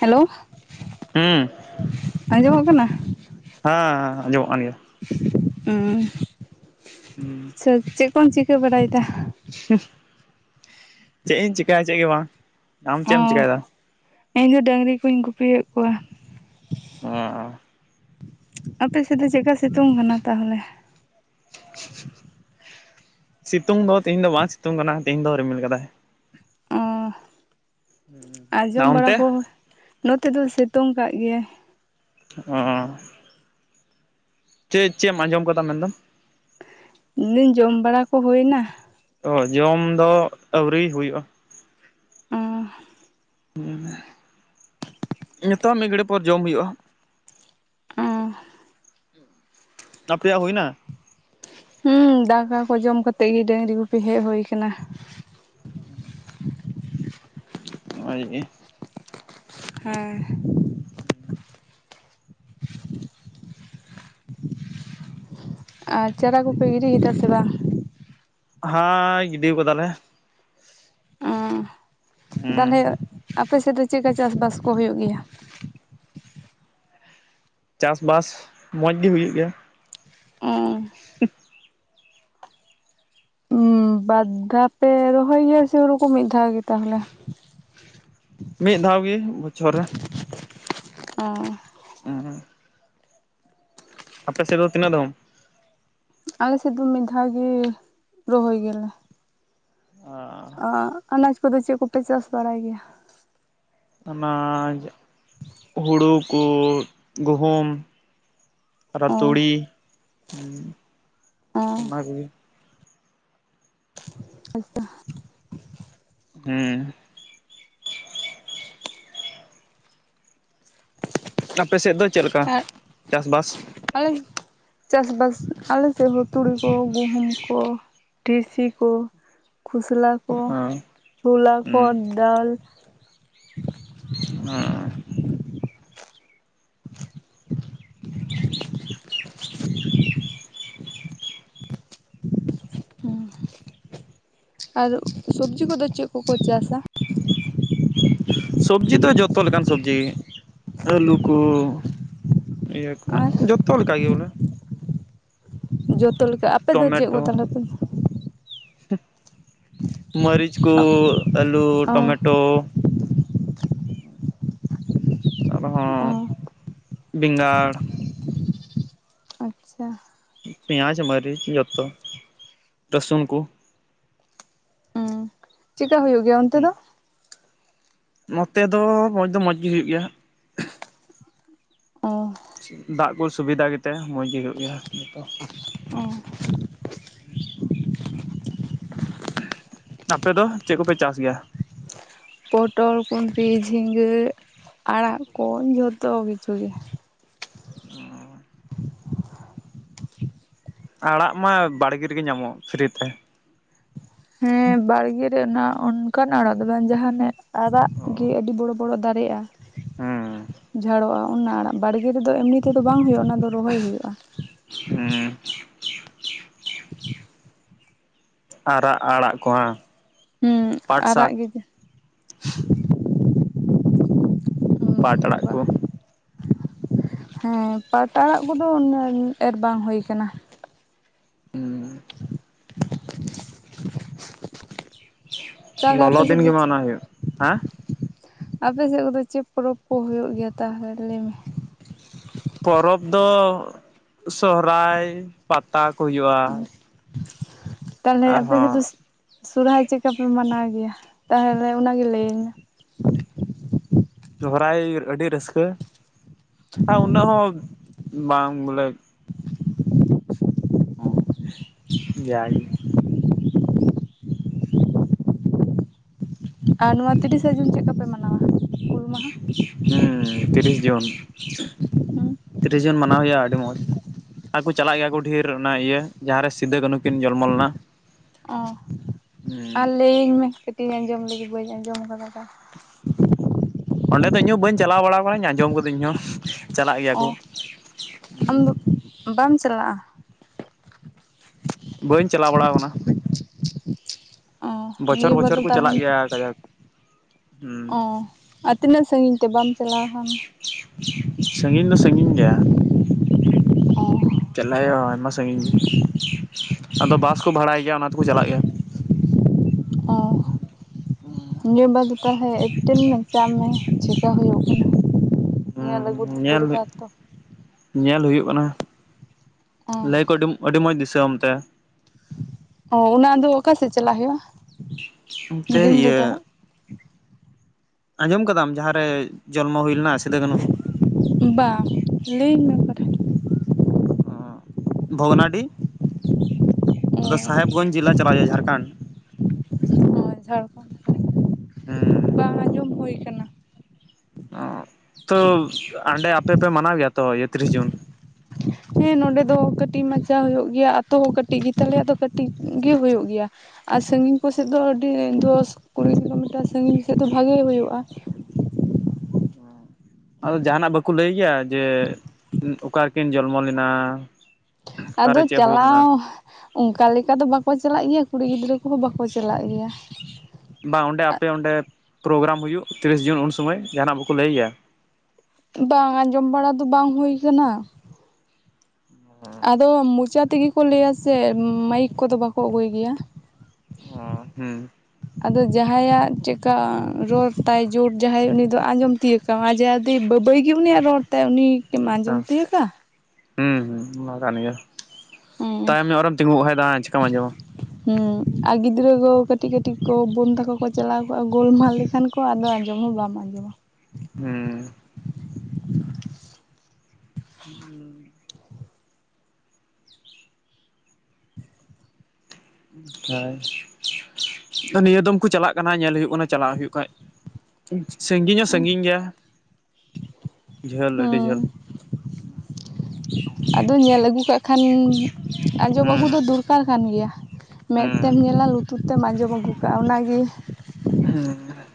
Hello ᱦᱩᱸ ᱟᱸᱡᱚᱢᱚᱜ ᱠᱟᱱᱟ? ᱦᱟᱸ ᱦᱮᱸ ᱟᱸᱡᱚᱢᱚᱜ ᱠᱟᱱ ᱜᱮᱭᱟ, ᱩᱸᱻ [unintelligible] [inaudible] ᱪᱮᱫ ᱠᱚᱢ ᱪᱤᱠᱟᱹ ᱵᱟᱲᱟᱭᱫᱟ? ᱪᱮᱜ ᱤᱧ ᱪᱮᱠᱟᱭᱟ ᱪᱮᱜ ᱜᱮ ᱵᱟᱝ, ᱟᱢ ᱪᱮᱫ ᱮᱢ ᱚ ᱪᱮᱠᱟᱭᱫᱟ? ᱤᱧ ᱫᱚ ᱰᱟᱹᱝᱨᱤ ᱠᱚᱧ ᱜᱩᱯᱤᱭᱮᱫ ᱠᱚᱣᱟ᱾ [unintelligible] ᱟᱯᱮ ᱥᱮᱫ ᱫᱚ ᱪᱮᱜᱠᱟ ᱥᱤᱛᱩᱝ ᱠᱟᱱᱟ ᱛᱟᱦᱚᱞᱮ? ᱥᱤᱛᱩᱝ ᱫᱚ ᱛᱤᱦᱤᱧ ᱫᱚ ᱵᱟᱝ ᱥᱤᱛᱩᱝ ᱠᱟᱱᱟ ᱛᱮᱦᱮᱧ ᱫᱚ ᱨᱤᱢᱤᱞ ᱠᱟᱫᱟᱭ᱾ ᱚ ᱟᱸ ᱟᱨ ᱡᱚᱢ ᱵᱟᱲᱟ ᱚᱱᱛᱮ ᱠᱚᱼᱼ ᱱᱚᱛᱮ ᱫᱚ ᱥᱮᱛᱩᱝ ᱠᱟᱜ ᱜᱮᱭᱟ᱾ [unintelligible] ᱪᱮᱜ ᱪᱮᱫ ᱮᱢ ᱟᱸᱡᱚᱢ ᱟᱠᱟᱫᱟ ᱢᱮᱱᱫᱚ [inaudible] ᱡᱚᱢ ᱵᱟᱲᱟ ᱠᱚ ᱦᱩᱭᱮᱱᱟ? ᱚ ᱡᱚᱢ ᱫᱚ ᱟᱹᱣᱨᱤ ᱦᱩᱭᱩᱜᱼᱟ᱾ [unintelligible] [unintelligible] ᱱᱤᱛᱚᱜ ᱢᱤᱫ ᱜᱷᱟᱹᱲᱤᱡ ᱯᱚᱨ ᱡᱚᱢ ᱦᱩᱭᱩᱜᱼᱟ᱾ [unintelligible] ᱟᱯᱮᱭᱟᱜ ᱦᱩᱭᱱᱟ? ᱦᱩᱸ ᱫᱟᱠᱟ ᱠᱚ ᱡᱚᱢ ᱠᱟᱛᱮᱜ ᱜᱮ ᱰᱟᱹᱝᱨᱤ ᱜᱩᱯᱤ ᱦᱮᱡ ᱦᱩᱭ ᱠᱟᱱᱟ᱾ [unintelligible] ᱦᱮᱸ [unintelligible] ᱟᱨ ᱪᱟᱨᱟ ᱠᱚᱯᱮ ᱜᱤᱰᱤ ᱠᱮᱫᱟ ᱥᱮ ᱵᱟᱝ? ᱦᱮᱸ ᱜᱤᱰᱤᱣ ᱠᱟᱫᱟᱞᱮ᱾ ᱚ ᱦᱩᱸ ᱛᱟᱦᱚᱞᱮ ᱟᱯᱮ ᱥᱮᱫ ᱫᱚ ᱪᱮᱫᱠᱟ ᱪᱟᱥᱵᱟᱥ ᱠᱚ ᱦᱳᱭᱳᱜ ᱜᱮᱭᱟ? ᱪᱟᱥᱵᱟᱥ ᱢᱚᱸᱡᱽ ᱜᱮ ᱦᱩᱭᱩᱜ ᱜᱮᱭᱟ᱾ [unintelligible] ᱵᱟᱼᱫᱷᱟᱣ ᱯᱮ ᱨᱚᱦᱚᱭ ᱜᱮᱭᱟ ᱥᱮ ᱦᱩᱲᱩ ᱠᱚ ᱢᱤᱫ ᱫᱷᱟᱣ ᱜᱮ ᱛᱟᱦᱚᱞᱮ? ᱢᱤᱫ ᱫᱷᱟᱣ ᱜᱮ ᱵᱚᱪᱷᱚᱨ ᱨᱮ᱾ ᱚ [unintelligible] ᱟᱯᱮ ᱥᱮᱫ ᱫᱚ ᱛᱤᱱᱟᱹᱜ ᱫᱚᱢ? ᱟᱞᱮ ᱥᱮᱫ ᱫᱚ ᱢᱤᱫ ᱫᱷᱟᱣ ᱜᱮ ᱨᱚᱦᱚᱭ ᱜᱮᱭᱟ ᱞᱮ᱾ ᱟ ᱟ ᱟᱱᱟᱡᱽ ᱠᱚᱫᱚ ᱪᱮᱫ ᱠᱚᱯᱮ ᱪᱟᱥ ᱵᱟᱲᱟᱭ ᱜᱮᱭᱟ? ᱚᱱᱟᱡ ᱦᱩᱲᱩ ᱠᱚ ᱜᱩᱦᱩᱢ ᱟᱨ ᱚ ᱛᱩᱲᱤ ᱦᱩᱸ ᱚ ᱚᱱᱟ ᱠᱚᱜᱮ᱾ ᱟᱪᱷᱟ᱾ ᱦᱮᱸ ᱟᱯᱮ ᱥᱮᱫ ᱫᱚ ᱪᱮᱫ ᱞᱮᱠᱟ ᱪᱟᱥᱵᱟᱥ? ᱟᱞᱮ ᱪᱟᱥᱵᱟᱥ ᱟᱞᱮ ᱥᱮᱫ ᱦᱚᱸ ᱛᱩᱲᱤ ᱠᱚ ᱜᱩᱦᱩᱢ ᱠᱚ, ᱴᱤᱥᱤ ᱠᱚ ᱠᱷᱚᱥᱞᱟ ᱠᱚ ᱚᱸ ᱪᱷᱚᱞᱟ ᱠᱚ, ᱦᱩᱸ ᱫᱟᱞ [unintelligible] ᱟᱨ ᱥᱚᱵᱽᱡᱤ ᱠᱚᱫᱚ ᱪᱮᱫ ᱠᱚᱠᱚ ᱪᱟᱥᱼᱟ? ᱥᱚᱵᱽᱡᱤ ᱫᱚ ᱡᱚᱛᱚ ᱞᱮᱠᱟᱱ ᱥᱚᱵᱽᱡᱤ ᱟᱹᱞᱩ ᱠᱚ, ᱤᱭᱟᱹ ᱠᱚ ᱟᱨ ᱡᱚᱛᱚ ᱞᱮᱠᱟ ᱜᱮ ᱵᱚᱞᱮ᱾ ᱡᱚᱛᱚ ᱞᱮᱠᱟ ᱟᱯᱮᱫᱚ ᱪᱮᱫ ᱠᱚ ᱛᱟᱦᱚᱞᱮ ᱯᱮ ᱦᱩᱸ ᱢᱟᱹᱨᱤᱪ ᱠᱚ, ᱟᱹᱞᱩ ᱚ ᱴᱚᱢᱮᱴᱳ ᱟᱨᱚ ᱟ ᱵᱮᱸᱜᱟᱲ ᱟᱪᱪᱷᱟ᱾ ᱯᱤᱭᱟᱡᱽ, ᱢᱟᱹᱨᱤᱪ ᱡᱚᱛᱚ ᱨᱟᱥᱩᱱ ᱠᱚ᱾ ᱪᱮᱠᱟ ᱦᱳᱭᱳᱜ ᱜᱮᱭᱟ ᱚᱱᱛᱮ ᱦᱮᱸ ᱫᱚ? ᱱᱚᱛᱮ ᱫᱚ ᱢᱚᱡᱽ ᱫᱚ ᱢᱚᱡᱽ ᱜᱮ ᱦᱩᱭᱩᱜ ᱜᱮᱭᱟ ᱦᱟᱸᱜ᱾ ᱚ ᱫᱟᱜ ᱠᱚ ᱥᱩᱵᱤᱫᱷᱟ ᱜᱮᱛᱮ ᱢᱚᱡᱽ ᱜᱮ ᱦᱩᱭᱩᱜ ᱜᱮᱭᱟ ᱡᱚᱛᱚ᱾ ᱟᱯᱮ ᱫᱚ ᱪᱮᱫ ᱠᱚᱯᱮ ᱪᱟᱥ ᱜᱮᱭᱟ? ᱯᱚᱴᱚᱞ ᱠᱩᱱᱫᱨᱤ ᱡᱷᱤᱸᱜᱟᱹ ᱟᱲᱟᱜ ᱠᱚ ᱡᱷᱚᱛᱚ ᱠᱤᱪᱷᱩ ᱜᱮ᱾ ᱚᱻ ᱟᱲᱟᱜ ᱢᱟ ᱵᱟᱲᱜᱮ ᱨᱮᱜᱮ ᱧᱟᱢᱚᱜ ᱯᱷᱤᱨᱤ ᱛᱮ᱾ ᱦᱮᱸ ᱵᱟᱲᱜᱮ ᱨᱮ ᱚᱱᱟ ᱚᱱᱠᱟᱱ ᱟᱲᱟᱜ ᱫᱚ ᱵᱟᱝ ᱡᱟᱦᱟᱸ ᱚᱱᱮ ᱟᱨᱟᱜ ᱜᱮ ᱚ ᱟᱹᱰᱤ ᱵᱚᱲᱚ ᱵᱚᱲᱚ ᱫᱟᱨᱮᱜᱼᱟ᱾ ᱦᱩᱸ ᱡᱷᱟᱲᱚᱜᱼᱟ ᱚᱱᱟ ᱟᱲᱟᱜ ᱵᱟᱲᱜᱮ ᱨᱮᱫᱚ ᱮᱢᱱᱤ ᱛᱮᱫᱚ ᱵᱟᱝ ᱦᱩᱭᱩᱜᱼᱟ ᱚᱱᱟ ᱫᱚ ᱨᱚᱦᱚᱭ ᱦᱩᱭᱩᱜᱼᱟ᱾ ᱦᱮᱸ᱾ ᱟᱨᱟᱜ ᱟᱲᱟᱜ ᱠᱚ ᱦᱟᱸ᱾ ᱦᱩᱸ ᱯᱟᱴ ᱟᱨᱟᱜ ᱥᱟᱠ ᱜᱮ ᱡᱟ ᱯᱟᱴ ᱟᱲᱟᱜ ᱠᱚ ᱦᱮᱸ ᱯᱟᱴ ᱟᱲᱟᱜ ᱠᱚᱫᱚ ᱩᱱᱟᱹᱜ ᱮᱨ ᱵᱟᱝ ᱦᱩᱭ ᱟᱠᱟᱱᱟ᱾ ᱦᱸᱸᱸ ᱛᱟᱦᱚᱞᱮ ᱞᱚᱞᱚ ᱟᱯᱮ ᱥᱮᱫ ᱫᱤᱱ ᱫᱚ ᱜᱮᱢᱟ ᱪᱮᱫ ᱚᱱᱟ ᱦᱩᱭᱩᱜ, ᱦᱮᱸ ᱟᱯᱮ ᱥᱮᱫ ᱠᱚᱫᱚ ᱪᱮᱫ ᱯᱚᱨᱚᱵᱽ ᱠᱚ ᱦᱩᱭᱩᱜ ᱜᱮᱭᱟ ᱛᱟᱦᱚᱞᱮ ᱞᱟᱹᱭ ᱢᱮ᱾ ᱯᱚᱨᱚᱵᱽ ᱫᱚ ᱥᱚᱦᱨᱟᱭ ᱯᱟᱛᱟ ᱠᱚ ᱦᱩᱭᱩᱜᱼᱟ᱾ ᱛᱟᱦᱞᱮ ᱟᱯᱮ ᱟᱨᱦᱚᱸ ᱥᱮᱫ ᱫᱚ ᱥᱚᱨᱦᱟᱭ ᱪᱮᱼᱠᱟᱯᱮ ᱢᱟᱱᱟᱣ ᱜᱮᱭᱟ ᱛᱟᱦᱚᱞᱮ ᱚᱱᱟᱜᱮ ᱞᱟᱹᱭᱟᱹᱧ ᱢᱮ᱾ ᱥᱚᱦᱨᱟᱭ ᱟᱹᱰᱤ ᱨᱟᱹᱥᱠᱟᱹ ᱟᱨ ᱩᱱᱟᱹᱜ ᱦᱚᱸ ᱵᱟᱝ ᱵᱚᱞᱮ ᱡᱟ ᱜᱤ᱾ ᱟᱨ ᱱᱚᱣᱟ ᱛᱤᱨᱤᱥᱮ ᱡᱩᱱ ᱪᱮᱫ ᱞᱮᱠᱟ ᱯᱮ ᱢᱟᱱᱟᱣᱟ? ᱦᱩᱞ ᱢᱟᱦᱟ? ᱦᱩᱸ ᱛᱤᱨᱤᱥ ᱡᱩᱱ, ᱛᱤᱨᱤᱥ ᱡᱩᱱ ᱢᱟᱱᱟᱣ ᱦᱩᱭᱩᱜᱼᱟ ᱟᱹᱰᱤ ᱢᱚᱡᱽ, ᱟᱨᱠᱩ ᱪᱟᱞᱟᱜ ᱜᱮᱭᱟ ᱠᱩ ᱰᱷᱤᱨ ᱚᱱᱟ ᱤᱭᱟᱹ ᱡᱟᱦᱟᱸᱨᱮ ᱥᱤᱫᱩᱼ ᱠᱟᱹᱱᱦᱩ ᱠᱤᱱ ᱡᱚᱱᱢᱚ ᱞᱮᱱᱟ, ᱚ, ᱦᱩᱸ ᱟᱨ ᱞᱟᱹᱭᱟᱹᱧ ᱢᱮ ᱠᱟᱹᱴᱤᱡ ᱟᱸᱡᱚᱢ ᱞᱟᱹᱜᱤᱫ ᱵᱟᱹᱧ ᱟᱸᱡᱚᱢ ᱟᱠᱟᱫᱟ ᱚᱸᱰᱮ ᱫᱚ ᱤᱧ ᱦᱚᱸ ᱵᱟᱹᱧ ᱪᱟᱞᱟᱣ ᱵᱟᱲᱟ ᱟᱠᱟᱱᱟ ᱟᱸᱡᱚᱢ ᱠᱟᱹᱫᱟᱹᱧ ᱦᱚᱸ ᱪᱟᱞᱟᱜ ᱜᱤᱭᱟ ᱚ ᱠᱩ ᱟᱢ ᱫᱚ ᱵᱟᱢ ᱪᱟᱞᱟᱜᱼᱟ? ᱵᱟᱹᱧ ᱪᱟᱞᱟᱣ ᱵᱟᱲᱟ ᱟᱠᱟᱱᱟ, [inaudible] ᱵᱚᱪᱷᱚᱨ ᱱᱤᱭᱟᱹ ᱵᱟᱨ ᱵᱚᱪᱷᱚᱨ ᱫᱚ ᱠᱩ ᱪᱟᱞᱟᱜ ᱛᱟᱦᱚᱞᱮᱢ ᱜᱮᱭᱟ ᱠᱟᱡᱟᱠ, ᱦᱩᱸ ᱚ ᱟᱨ ᱛᱤᱱᱟᱹᱜ ᱥᱟᱺᱜᱤᱧ ᱛᱮ? ᱵᱟᱢ ᱪᱟᱞᱟᱣ ᱠᱷᱟᱱ, ᱥᱟᱺᱜᱤᱧ ᱫᱚ ᱥᱟᱺᱜᱤᱧ ᱜᱮᱭᱟ, ᱚ ᱪᱟᱞᱟᱜ ᱦᱩᱭᱩᱜ-ᱟ ᱳᱞᱢᱳᱥᱴ, ᱥᱟᱺᱜᱤᱧ ᱜᱤ, ᱟᱫᱚ ᱵᱟᱥ ᱠᱚ ᱵᱷᱟᱲᱟᱭ ᱜᱮᱭᱟ ᱚᱱᱟ ᱛᱮᱠᱚ ᱪᱟᱞᱟᱜ ᱜᱮᱭᱟ [inaudible] ᱧᱩᱢ ᱵᱟᱫᱽ ᱫᱚ ᱛᱟᱦᱚᱞᱮ ᱮᱴᱮᱞ ᱢᱮᱛᱟᱜ ᱢᱮ ᱪᱮᱠᱟ ᱦᱩᱭᱩᱜ ᱠᱟᱱᱟ? ᱦᱩᱸ ᱧᱮᱞ ᱟᱹᱜᱩ ᱫᱚ ᱧᱮᱞ ᱫᱩᱨᱠᱟᱨ ᱛᱚ, ᱧᱮᱞ ᱦᱩᱭᱩᱜ ᱠᱟᱱᱟ, ᱚ ᱞᱟᱹᱭ ᱠᱚ ᱟᱹᱰᱤᱼᱟᱹᱰᱤ ᱢᱚᱸᱡᱽ ᱫᱤᱥᱟᱹᱢ ᱠᱚ ᱚᱱᱛᱮ, ᱚ ᱚᱱᱟ ᱟᱫᱚ ᱚᱠᱟ ᱥᱮᱫ ᱪᱟᱞᱟᱜ ᱦᱳᱭᱳᱜᱼᱟ? ᱚᱱᱛᱮ ᱤᱭᱟᱹ ᱟᱸᱡᱚᱢ ᱠᱟᱫᱟᱢ ᱡᱟᱦᱟᱸ ᱨᱮ ᱡᱚᱱᱢᱚ ᱦᱩᱭ ᱞᱮᱱᱟ ᱥᱤᱫᱩᱼ ᱠᱟᱹᱱᱩ? ᱵᱟ, ᱞᱟᱹᱭᱤᱧ ᱢᱮ ᱚᱠᱟᱴᱷᱮᱱ, ᱵᱷᱚᱜᱽᱱᱟᱰᱤ ᱚ ᱫᱚ ᱥᱟᱦᱮᱵᱽᱜᱚᱧᱡᱽ ᱡᱤᱞᱟ ᱪᱟᱞᱟᱣ ᱦᱩᱭᱩᱜᱼᱟ ᱡᱷᱟᱲᱠᱷᱚᱸᱰ, ᱡᱷᱟᱲᱠᱷᱚᱸᱱᱰ ᱦᱩᱸ ᱵᱟᱝ ᱟᱸᱡᱚᱢ ᱦᱩᱭ ᱟᱠᱟᱱᱟ, ᱚ ᱛᱚ ᱚᱸᱰᱮ ᱟᱯᱮ ᱯᱮ ᱢᱟᱱᱟᱣ ᱜᱮᱭᱟ ᱛᱚ ᱛᱤᱨᱤᱥ ᱡᱩᱱ? ᱦᱮᱸ ᱱᱚᱸᱰᱮ ᱫᱚ ᱠᱟᱹᱴᱤᱡ ᱢᱟᱪᱟ ᱦᱩᱭᱩᱜ ᱜᱮᱭᱟ ᱟᱛᱳ ᱦᱚᱸ ᱠᱟᱹᱴᱤᱡ ᱜᱮᱛᱟᱞᱮᱭᱟ ᱫᱚ ᱠᱟᱹᱴᱤᱡ ᱜᱮ ᱦᱩᱭᱩᱜ ᱜᱮᱭᱟ᱾ ᱟᱨ ᱥᱟᱺᱜᱤᱧ ᱠᱚᱥᱮᱫ ᱫᱚ ᱟᱹᱰᱤ ᱫᱚᱥ ᱠᱩᱲᱤᱠᱚ ᱢᱮᱛᱟᱜᱼᱟ ᱥᱟᱺᱜᱤᱧ ᱥᱮᱫ ᱫᱚ ᱵᱷᱟᱜᱮ ᱦᱩᱭᱩᱜᱼᱟ᱾ ᱚᱺ, ᱟᱫᱚ ᱡᱟᱦᱟᱸᱱᱟᱜ ᱵᱟᱠᱩ ᱞᱟᱹᱭ ᱜᱮᱭᱟ? ᱡᱮ ᱳᱸ ᱚᱠᱟ ᱨᱮᱠᱤᱱ ᱡᱚᱱᱢᱚ ᱞᱮᱱᱟ? ᱟᱫᱚ ᱚᱠᱟᱨᱮ ᱪᱮᱫ ᱦᱩᱭ ᱞᱮᱱᱟ ᱪᱟᱞᱟᱣ ᱚᱱᱠᱟ ᱞᱮᱠᱟ ᱫᱚ ᱵᱟᱠᱚ ᱪᱟᱞᱟᱜ ᱜᱮᱭᱟ ᱠᱩᱲᱤ ᱜᱤᱫᱽᱨᱟᱹ ᱠᱚᱦᱚᱸ ᱵᱟᱠᱚ ᱪᱟᱞᱟᱜ ᱜᱮᱭᱟ᱾ ᱵᱟᱸ ᱚᱸᱰᱮ ᱟᱯᱮ ᱚᱸᱰᱮ ᱯᱨᱳᱜᱨᱟᱢ ᱦᱩᱭᱩᱜ ᱛᱤᱨᱤᱥ ᱡᱩᱱ, ᱩᱱ ᱥᱳᱢᱚᱭ ᱡᱟᱦᱟᱸᱱᱟᱜ ᱵᱟᱠᱚ ᱞᱟᱹᱭᱮᱭᱟ? ᱵᱟᱝ ᱟᱸᱡᱚᱢ ᱵᱟᱲᱟ ᱫᱚ ᱵᱟᱝ ᱦᱩᱭ ᱠᱟᱱᱟ, ᱟᱫᱚ ᱢᱩᱸᱪᱟ ᱛᱮᱜᱮ ᱠᱚ ᱞᱟᱹᱭᱟ ᱥᱮ ᱢᱟᱭᱤᱠ ᱠᱚ ᱫᱚ ᱵᱟᱠᱚ ᱟᱹᱜᱩᱭ ᱜᱮᱭᱟ᱾ ᱦᱩᱸ ᱟᱫᱚ- ᱡᱟᱦᱟᱸᱭᱟᱜ ᱪᱮᱠᱟ ᱨᱚᱨ ᱛᱟᱭ ᱡᱩᱨ ᱡᱟᱦᱟᱸᱭ ᱩᱱᱤ ᱫᱚ ᱟᱸᱡᱚᱢ ᱛᱤᱭᱟᱹᱜ ᱛᱟᱢᱟᱭᱟᱹᱜᱼᱟᱢ ᱟᱨ ᱡᱩ ᱫᱤ ᱵᱟᱹᱵᱟᱹᱭ ᱜᱮ ᱩᱱᱤᱭᱟᱜ ᱨᱚᱲᱛᱮ ᱩᱱᱤ ᱟᱪᱪᱷᱟ ᱦᱩᱸ ᱦᱸ ᱚᱱᱟ ᱠᱟᱱ ᱜᱮᱭᱟ᱾ ᱛᱟᱭᱚᱢ ᱧᱚᱜ ᱨᱮᱢ ᱛᱤᱸᱜᱩ ᱠᱷᱟᱡ ᱫᱚ ᱦᱟᱸ ᱪᱤᱠᱚᱢ ᱟᱸᱡᱚᱢᱟ, ᱦᱩᱸ, ᱟᱨ ᱜᱤᱫᱽᱨᱟᱹ ᱠᱚ ᱠᱟᱹᱴᱤᱡ ᱠᱟᱹᱴᱤᱡ ᱠᱚ ᱵᱳᱱ ᱛᱟᱠᱚ ᱠᱚ ᱪᱟᱞᱟᱣ ᱠᱚᱜᱼᱟ ᱜᱚᱞᱢᱟᱞ ᱞᱮᱠᱷᱟᱱ ᱠᱚ ᱟᱫᱚ ᱟᱸᱡᱚᱢ ᱦᱚᱸ ᱵᱟᱢ ᱟᱸᱡᱚᱢᱟ᱾ ᱦᱩᱸ ᱦᱩᱸ ᱦᱳᱭ ᱱᱤᱭᱟᱹ ᱫᱚᱢ ᱠᱚ ᱪᱟᱞᱟᱜ ᱠᱟᱱᱟ ᱧᱮᱞ ᱦᱩᱭᱩᱜ ᱠᱟᱱᱟ ᱪᱟᱞᱟᱜ ᱦᱩᱭᱩᱜ ᱠᱷᱟᱡ, ᱥᱟᱺᱜᱤᱧ ᱦᱚᱸ ᱥᱟᱺᱜᱤᱧ ᱜᱮᱭᱟ ᱡᱷᱟᱹᱞ ᱟᱹᱰᱤ ᱡᱷᱟᱹᱞ᱾ ᱦᱮᱸ ᱟᱫᱚ ᱧᱮᱞ ᱟᱹᱜᱩ ᱠᱟᱜ ᱠᱷᱟᱱ ᱟᱸᱡᱚᱢ ᱟᱜᱩ ᱦᱩᱸ ᱫᱚ ᱫᱩᱨ ᱫᱚᱨᱠᱟᱨ ᱠᱟᱱ ᱜᱮᱭᱟ, ᱢᱮᱫ ᱦᱩᱸ ᱛᱮᱢ ᱧᱮᱞᱟ ᱞᱩᱛᱩᱨ ᱛᱮᱢ ᱟᱸᱡᱚᱢ ᱟᱹᱜᱩ ᱠᱟᱜᱼᱟ ᱚᱱᱟᱜᱤ, ᱦᱮᱸ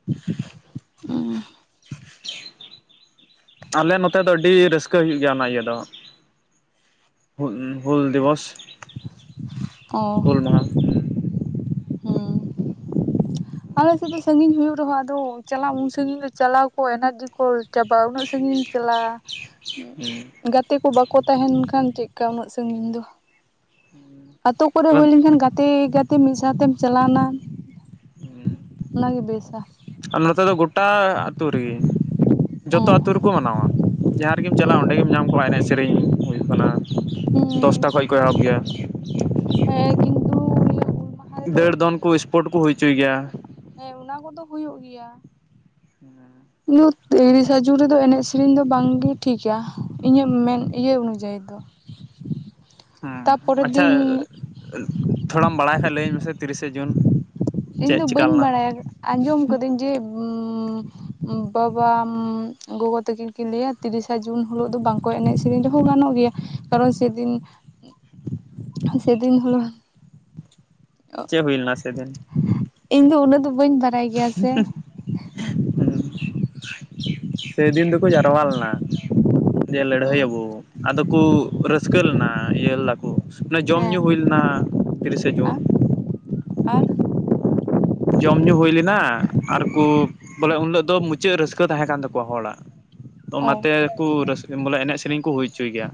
[inaudible] ᱟᱞᱮ ᱱᱚᱛᱮ ᱫᱚ ᱟᱹᱰᱤ ᱨᱟᱹᱥᱠᱟᱹ ᱦᱩᱭᱩᱜ ᱜᱮᱭᱟ ᱚᱱᱟ ᱤᱭᱟᱹ ᱫᱚ [unintelligible] ᱦᱩᱞ ᱫᱤᱵᱚᱥ ᱚ ᱦᱩᱞ ᱢᱟᱦᱟ ᱦᱩᱸᱻ᱾ ᱦᱮᱸ ᱟᱞᱮ ᱥᱮᱫ ᱫᱚ ᱥᱟᱺᱜᱤᱧ ᱦᱩᱭᱩᱜ ᱨᱮᱦᱚᱸ ᱟᱫᱚ ᱪᱟᱞᱟᱜ ᱩᱱ ᱥᱟᱹᱜᱤᱧ ᱫᱚ ᱪᱟᱞᱟᱣ ᱠᱚ ᱮᱱᱟᱨᱡᱤ ᱠᱚ ᱪᱟᱵᱟᱜ-ᱟ ᱩᱱᱟᱹᱜ ᱥᱟᱺᱜᱤᱧ ᱦᱩᱸ ᱪᱟᱞᱟᱜ-ᱟ᱾ ᱜᱟᱛᱮ ᱠᱚ ᱵᱟᱠᱚ ᱛᱟᱦᱮᱱ ᱠᱷᱟᱱ ᱪᱮᱫᱠᱟ ᱩᱱᱟᱹᱜ ᱥᱟᱺᱜᱤᱧ ᱫᱚ ᱟᱹᱛᱳ ᱠᱚᱨᱮ ᱦᱩᱭ ᱞᱮᱱᱠᱷᱟᱱ ᱜᱟᱛᱮ ᱜᱟᱛᱮ ᱢᱤᱫ ᱥᱟᱶᱛᱮᱢ ᱪᱟᱞᱟᱣᱱᱟ ᱦᱩᱸ ᱚᱱᱟᱜᱮ ᱵᱮᱥᱟ᱾ ᱟᱨ ᱱᱚᱛᱮ ᱫᱚ ᱜᱚᱴᱟ ᱟᱹᱛᱩ ᱨᱮᱜᱮ ᱚ ᱡᱚᱛᱚ ᱟᱛᱩ ᱨᱮᱠᱚ ᱢᱟᱱᱟᱣᱟ᱾ ᱡᱟᱦᱟᱸ ᱨᱮᱜᱮᱢ ᱪᱟᱞᱟᱜ-ᱟ ᱚᱸᱰᱮ ᱜᱮᱢ ᱧᱟᱢ ᱠᱚᱣᱟ ᱮᱱᱮᱡ ᱥᱮᱨᱮᱧ ᱦᱩᱭᱩᱜ ᱠᱟᱱᱟ ᱫᱚᱥᱴᱟ ᱠᱷᱚᱱ ᱦᱮᱸ ᱠᱚ ᱮᱦᱚᱵ ᱜᱮᱭᱟ᱾ ᱦᱮᱸ ᱠᱤᱱᱛᱩ ᱱᱤᱭᱟᱹ ᱦᱩᱞ ᱢᱟᱦᱟ ᱨᱮᱫᱚ ᱫᱟᱹᱲ ᱫᱚᱱ ᱠᱚ ᱥᱯᱚᱴ ᱠᱚ ᱦᱩᱭ ᱚᱪᱚᱭ ᱜᱮᱭᱟ᱾ ᱦᱮᱸ ᱚᱱᱟ ᱠᱚᱫᱚ ᱦᱩᱭᱩᱜ ᱜᱮᱭᱟ᱾ ᱦᱩᱸ ᱞᱩᱛ ᱤᱨᱤᱥᱥᱟ ᱡᱩᱱ ᱨᱮᱫᱚ ᱮᱱᱮᱡ ᱥᱮᱨᱮᱧ ᱫᱚ ᱵᱟᱝᱜᱮ ᱴᱷᱤᱠᱟ ᱤᱧᱟᱹᱜ ᱢᱮᱱ ᱤᱭᱟᱹ ᱚᱱᱩᱡᱟᱭᱤ ᱫᱚ᱾ ᱦᱮᱸ ᱛᱟᱯᱚᱨᱮᱨ ᱟᱪᱪᱷᱟ ᱫᱤᱱ ᱛᱷᱚᱲᱟᱢ ᱵᱟᱲᱟᱭ ᱠᱷᱟᱡ ᱞᱟᱹᱭᱟᱹᱧ ᱢᱮᱥᱮ ᱛᱤᱨᱤᱥᱥᱥᱟ ᱡᱩᱱ? ᱤᱧ ᱪᱮᱫ ᱫᱚ ᱪᱮᱠᱟ ᱵᱟᱹᱧ ᱞᱮᱱᱟ ᱵᱟᱲᱟᱭᱟ ᱟᱸᱡᱚᱢ ᱠᱟᱹᱫᱟᱹᱧ ᱡᱮ ᱵᱟᱵᱟ ᱜᱚᱜᱚ ᱛᱟᱠᱤᱱ ᱠᱤᱱ ᱞᱟᱹᱭᱟ ᱛᱤᱨᱤᱥᱥᱟ ᱡᱩᱱ ᱦᱤᱞᱳᱜ ᱫᱚ ᱵᱟᱝᱠᱚ ᱮᱱᱮᱡ ᱥᱮᱨᱮᱧ ᱨᱮᱦᱚᱸ ᱜᱟᱱᱚᱜ ᱜᱮᱭᱟ᱾ ᱠᱟᱨᱚᱱ ᱥᱮᱫᱤᱱ ᱥᱮᱫᱤᱱ ᱦᱮᱞᱚᱜ ᱪᱮᱫ ᱦᱩᱭ ᱞᱮᱱᱟ ᱥᱮᱫᱤᱱ? ᱤᱧ ᱫᱚ ᱩᱱᱟᱹᱜ ᱫᱚ ᱵᱟᱹᱧ ᱵᱟᱲᱟᱭᱟ ᱦᱩᱸ ᱥᱮᱫᱤᱱ ᱫᱚᱠᱚ ᱡᱟᱨᱣᱟ ᱞᱮᱱᱟ᱾ ᱫᱮ ᱞᱟᱹᱲᱦᱟᱹᱭᱟᱵᱚ ᱟᱫᱚ ᱠᱚ ᱨᱟᱹᱥᱠᱟᱹ ᱞᱮᱱᱟ ᱤᱭᱟᱹ ᱞᱮᱫᱟᱠᱚ᱾ ᱟᱱᱮ ᱡᱚᱢ ᱧᱩ ᱦᱮᱸ ᱦᱩᱭ ᱞᱮᱱᱟ ᱛᱤᱨᱤᱥᱥᱟ ᱡᱩᱱ ᱟᱨ ᱡᱚᱢ ᱧᱩ ᱦᱩᱭ ᱞᱮᱱᱟ ᱟᱨᱠᱚ ᱵᱚᱞᱮ ᱩᱱᱦᱤᱞᱚᱜ ᱫᱚ ᱢᱩᱪᱟᱹᱫ ᱨᱟᱹᱥᱠᱟᱹ ᱛᱟᱦᱮᱸ ᱠᱟᱱ ᱛᱟᱠᱚᱣᱟ ᱦᱚᱲᱟᱜ ᱚ ᱚᱱᱟᱛᱮᱠᱚ ᱨᱟᱹᱥᱠᱟᱹ ᱵᱚᱞᱮ ᱮᱱᱮᱡ ᱥᱮᱨᱮᱧ ᱠᱚ ᱦᱩᱭ ᱚᱪᱚᱭ ᱜᱮᱭᱟ᱾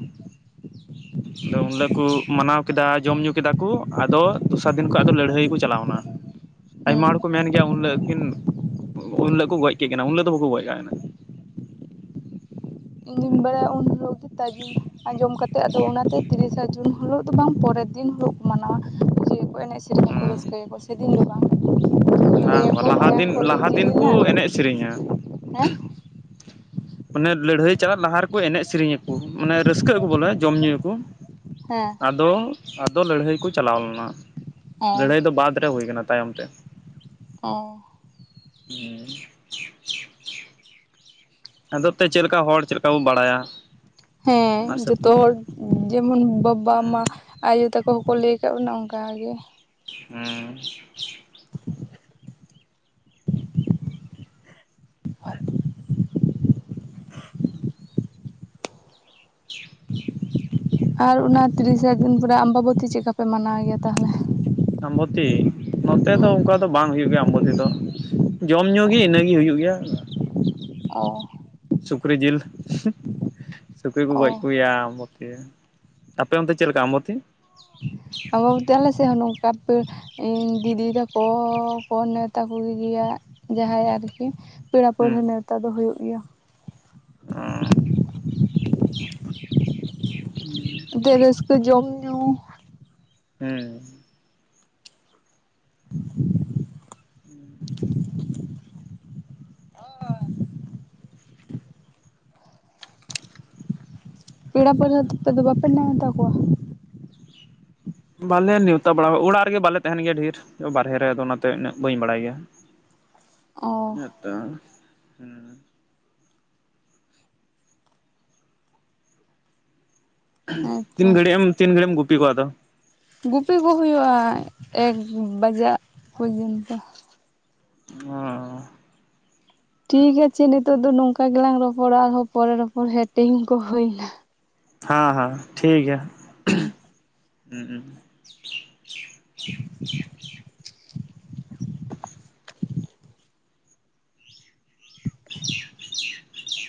[inaudible] ᱟᱫᱚ ᱩᱱᱦᱤᱞᱳᱜ ᱠᱚ ᱢᱟᱱᱟᱣ ᱠᱮᱫᱟ ᱡᱚᱢ ᱧᱩ ᱠᱮᱫᱟ ᱠᱚ ᱟᱫᱚ ᱫᱚᱥᱟᱨ ᱫᱤᱱ ᱠᱷᱚᱡ ᱟᱫᱚ ᱞᱟᱹᱲᱦᱟᱹᱭ ᱜᱮᱠᱚ ᱪᱟᱞᱟᱣ ᱮᱱᱟ᱾ ᱦᱮᱸ ᱟᱭᱢᱟ ᱦᱚᱲ ᱠᱚ ᱢᱮᱱ ᱜᱮᱭᱟ ᱩᱱ ᱦᱤᱞᱳᱜ ᱠᱤᱱ ᱩᱱ ᱦᱤᱞᱳᱜ ᱠᱚ ᱜᱚᱡ ᱠᱮᱜ ᱠᱤᱱᱟ ᱩᱱ ᱦᱤᱞᱳᱜ ᱫᱚ ᱵᱟᱠᱚ ᱜᱚᱡ ᱠᱟᱜ ᱠᱤᱱᱟ᱾ ᱤᱧ ᱵᱟᱲᱟᱭᱟ ᱩᱱ ᱦᱤᱞᱟᱜ ᱜᱮ ᱛᱟᱡᱤ ᱟᱸᱡᱚᱢ ᱠᱟᱛᱮ ᱟᱫᱚ ᱚᱱᱟᱛᱮ ᱛᱤᱨᱤᱥᱥᱟ ᱡᱩᱱ ᱦᱤᱞᱳᱜ ᱫᱚ ᱵᱟᱝ ᱯᱚᱨᱮ ᱫᱤᱱ ᱦᱤᱞᱳᱜ ᱠᱚ ᱢᱟᱱᱟᱣᱟ ᱯᱩᱡᱟᱹᱭᱟᱠᱚ ᱮᱱᱮᱡ ᱥᱮᱨᱮᱧᱟᱠᱚ ᱨᱟᱹᱥᱠᱟᱹᱭᱟᱠᱚ ᱥᱮ ᱚᱱᱟ ᱵᱟᱝ ᱞᱟᱦᱟ ᱢᱟᱭᱟᱝ ᱫᱤᱱ ᱠᱚ ᱞᱟᱦᱟ ᱞᱤᱸᱡᱤ ᱫᱤᱱ ᱠᱩ ᱞᱮᱱᱟ ᱮᱱᱮᱡ ᱥᱮᱨᱮᱧᱟ᱾ ᱦᱮᱸ [inaudible] ᱚᱱᱮ ᱞᱟᱹᱲᱦᱟᱹᱭ ᱪᱟᱞᱟᱜ ᱞᱟᱦᱟ ᱨᱮᱠᱚ ᱮᱱᱮᱡ ᱥᱮᱨᱮᱧ ᱟᱠᱩ ᱢᱟᱱᱮ ᱨᱟᱹᱥᱠᱟᱹᱜ ᱟᱠᱚ ᱵᱚᱞᱮ ᱡᱚᱢ ᱧᱩᱭ ᱟᱠᱚ᱾ ᱦᱮᱸ ᱟᱫᱚ ᱟᱫᱚ ᱞᱟᱹᱲᱦᱟᱹᱭ ᱠᱩ ᱪᱟᱞᱟᱣ ᱞᱮᱱᱟ ᱚ ᱞᱟᱹᱲᱦᱟᱹᱭ ᱫᱚ ᱵᱟᱫᱽ ᱨᱮ ᱦᱩᱭ ᱟᱠᱟᱱᱟ ᱛᱟᱭᱚᱢ ᱛᱮ᱾ ᱚ [unintelligible] ᱟᱫᱚ ᱛᱮ ᱪᱮᱫ ᱞᱮᱠᱟ ᱦᱚᱲ ᱪᱮᱫ ᱞᱮᱠᱟ ᱵᱚ ᱵᱟᱲᱟᱭᱟ᱾ ᱦᱮᱸ ᱚᱱᱟ ᱦᱤᱥᱟᱹᱵ ᱡᱚᱛᱚ ᱛᱮᱜᱮ ᱛᱚ ᱦᱚᱲ ᱡᱮᱢᱚᱱ ᱵᱟᱵᱟ ᱢᱟ ᱦᱩᱸ ᱟᱭᱳ ᱛᱟᱠᱚ ᱦᱚᱠᱚ ᱞᱟᱹᱭ ᱟᱠᱟᱫ ᱵᱚᱱᱟ ᱚᱱᱠᱟᱜᱮ᱾ ᱦᱚᱸ ᱟᱨ [inaudible] [inaudible] ᱟᱨ ᱚᱱᱟ ᱛᱤᱨᱤᱥᱥᱟ ᱡᱩᱱ ᱯᱚᱨᱮ ᱟᱢᱵᱟᱵᱚᱛᱤ ᱪᱮᱫᱠᱟ ᱯᱮ ᱢᱟᱱᱟᱣ ᱜᱮᱭᱟ ᱛᱟᱦᱚᱞᱮ? ᱟᱢᱵᱚᱛᱤ ᱱᱚᱛᱮ ᱫᱚ ᱚᱱᱠᱟ ᱫᱚ ᱵᱟᱝ ᱦᱩᱭᱩᱜ ᱜᱮᱭᱟ ᱟᱢᱵᱚᱛᱤ ᱫᱚ ᱾ ᱡᱚᱢ ᱧᱩ ᱜᱤ ᱤᱱᱟᱹᱜᱤ ᱦᱩᱭᱩᱜ ᱜᱮᱭᱟ ᱾ ᱚ ᱾ ᱥᱩᱠᱨᱤ ᱡᱤᱞ, ᱥᱩᱠᱨᱤ ᱠᱚ ᱜᱚᱡ ᱚ ᱠᱚᱜᱮᱭᱟ [unintelligible] ᱟᱯᱮ ᱚᱱᱛᱮ ᱪᱮᱫ ᱞᱮᱠᱟ ᱟᱢᱵᱚᱛᱤ? ᱟᱢᱵᱟᱵᱚᱛᱤ ᱟᱞᱮ ᱥᱮᱜ ᱦᱚᱸ ᱱᱚᱝᱠᱟ ᱯᱟᱹ ᱤᱧ ᱫᱤᱫᱤ ᱛᱟᱠᱚ ᱠᱚ ᱱᱮᱶᱛᱟ ᱠᱚ ᱜᱮ ᱜᱮᱭᱟ ᱡᱟᱦᱟᱸᱭ ᱟᱨᱠᱤ ᱯᱮᱲᱟ ᱦᱩᱸ ᱯᱟᱹᱲᱦᱟᱹ ᱱᱮᱣᱛᱟ ᱫᱚ ᱦᱩᱭᱩᱜ ᱜᱮᱭᱟ ᱾ ᱚ [inaudible] ᱦᱩᱸ ᱾ ᱛᱮ ᱨᱟᱹᱥᱠᱟᱹ ᱡᱚᱢ ᱧᱩ ᱾ ᱦᱮᱸ ᱾ [inaudible] ᱩᱸ ᱾ ᱯᱮᱲᱟ ᱯᱟᱹᱲᱦᱟᱹ ᱛᱟᱯᱮ ᱫᱚ ᱵᱟᱯᱮ ᱱᱮᱶᱛᱟ ᱠᱚᱣᱟ? ᱵᱟᱞᱮ ᱱᱮᱶᱛᱟ ᱵᱟᱲᱟ ᱚᱲᱟᱜ ᱨᱮᱜᱮ ᱵᱟᱞᱮ ᱛᱟᱦᱮᱱ ᱜᱮᱭᱟ ᱰᱷᱮᱨ ᱵᱟᱨᱦᱮ ᱨᱮ, ᱟᱫᱚ ᱚᱱᱟᱛᱮ ᱤᱱᱟᱹᱜ ᱵᱟᱹᱧ ᱵᱟᱲᱟᱭ ᱜᱮᱭᱟ ᱾ [inaudible] [unintelligible] ᱛᱤᱱ ᱦᱮᱸᱛᱚ ᱜᱷᱟᱹᱲᱤᱡ ᱮᱢ, ᱛᱤᱱ ᱜᱷᱟᱹᱲᱤᱡ ᱮᱢ ᱜᱩᱯᱤ ᱠᱚᱣᱟ ᱟᱫᱚ? ᱜᱩᱯᱤ ᱠᱚ ᱦᱩᱭᱩᱜᱼᱟ ᱮᱠ ᱵᱟᱡᱟᱜ ᱯᱳᱡᱚᱱᱛᱚ ᱾ ᱚ ᱾ ᱴᱷᱤᱠ ᱟᱪᱷᱮ ᱱᱮᱛᱚᱜ ᱫᱚ ᱱᱚᱝᱠᱟ ᱜᱮᱞᱟᱝ ᱨᱚᱯᱚᱲᱟ ᱟᱨᱦᱚᱸ ᱯᱚᱨᱮ ᱨᱚᱯᱚᱲ ᱦᱳᱭᱳᱜ-ᱟ ᱴᱟᱹᱭᱤᱢ ᱠᱚ ᱦᱳᱭ ᱱᱟ ᱾ ᱦᱟᱸ ᱦᱟᱸ ᱴᱷᱤᱠ ᱜᱮᱭᱟ ᱦᱮᱸ [unintelligible] ᱦᱩᱸᱻ [inaudible]